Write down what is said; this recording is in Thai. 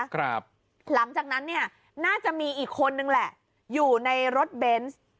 หลังจากนั้นเนี่ยน่าจะมีอีกคนนึงแหละอยู่ในรถเบนส์